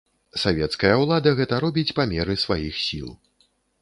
Савецкая ўлада гэта робіць па меры сваіх сіл.